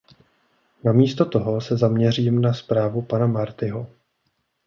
Namísto toho se zaměřím na zprávu pana Martyho.